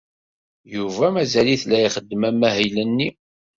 Yuba mazal-it la ixeddem amahil-nni.